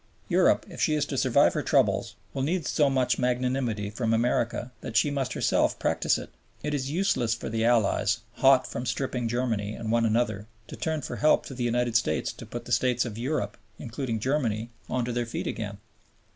Europe, if she is to survive her troubles, will need so much magnanimity from America, that she must herself practice it. It is useless for the Allies, hot from stripping Germany and one another, to turn for help to the United States to put the States of Europe, including Germany, on to their feet again.